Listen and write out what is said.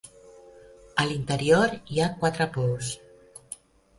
A l'interior hi ha quatre pous.